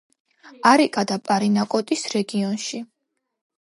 არიკა და პარინაკოტის რეგიონში.